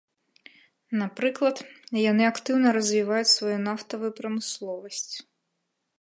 Напрыклад, яны актыўна развіваюць сваю нафтавую прамысловасць.